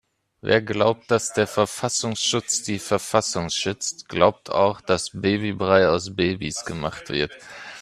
Wer glaubt, dass der Verfassungsschutz die Verfassung schützt, glaubt auch dass Babybrei aus Babys gemacht wird.